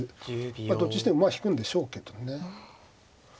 まあどっちにしても馬引くんでしょうけどね。